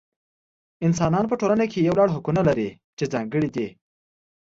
انسانان په ټولنه کې یو لړ حقونه لري چې ځانګړي دي.